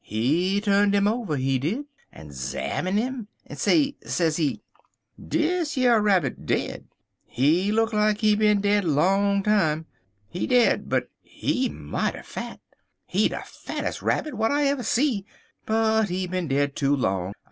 He tu'n 'im over, he did, en 'zamine 'im, en say, sezee: "'Dish yer rabbit dead. He look like he bin dead long time. He dead, but he mighty fat. He de fattes' rabbit w'at I ever see, but he bin dead too long.